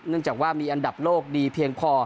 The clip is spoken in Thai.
จากว่ามีอันดับโลกดีเพียงพอ